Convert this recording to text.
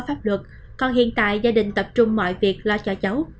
pháp luật còn hiện tại gia đình tập trung mọi việc lo cho cháu